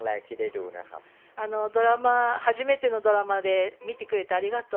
初めてのドラマ見てくれてありがとう。